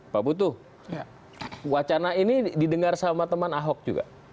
pak butuh wacana ini didengar sama teman ahok juga